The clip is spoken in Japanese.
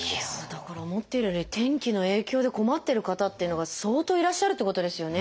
だから思っているより天気の影響で困ってる方っていうのが相当いらっしゃるっていうことですよね。